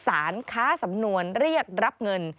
ค้าสำนวนเรียกรับเงิน